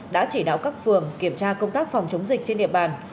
đã chỉ đạo các phường kiểm tra công tác phòng chống dịch trên địa bàn